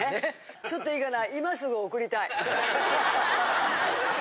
ちょっといいかな？